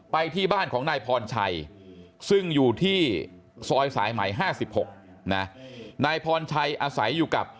ไปที่บ้านของนายพรชัยซึ่งอยู่ที่ซอยสายไหม๕๖นะนายพรชัยอาศัยอยู่กับ